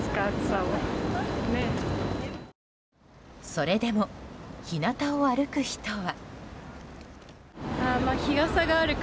それでも日なたを歩く人は。